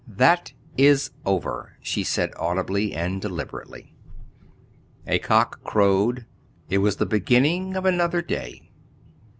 "That is over," she said audibly and deliberately. A cock crowed. It was the beginning of another day.